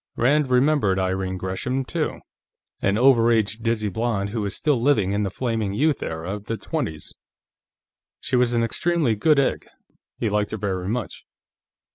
Rand remembered Irene Gresham, too; an over age dizzy blonde who was still living in the Flaming Youth era of the twenties. She was an extremely good egg; he liked her very much.